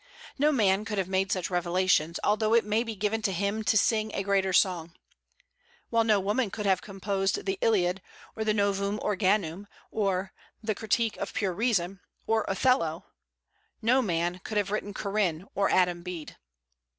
No man could have made such revelations, although it may be given to him to sing a greater song. While no woman could have composed the "Iliad," or the "Novum Organum," or the "Critique of Pure Reason," or "Othello," no man could have written "Corinne" or "Adam Bede."